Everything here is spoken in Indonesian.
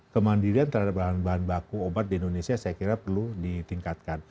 kemandirian terhadap bahan bahan baku obat di indonesia saya kira perlu ditingkatkan